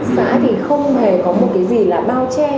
xã thì không hề có một cái gì là bao che